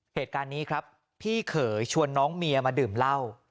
เหตุการณ์นี้ครับพี่เขยชวนน้องเมียมาดื่มเหล้า